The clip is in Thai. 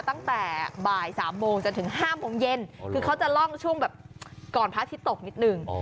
ตั้งแต่บ่าย๓โมงจนถึง๕โมงเย็นคือเขาจะล่องช่วงแบบก่อนพระอาทิตย์ตกนิดนึง